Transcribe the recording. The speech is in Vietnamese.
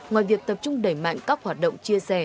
ngoài việc tập trung đẩy mạnh các hoạt động chia sẻ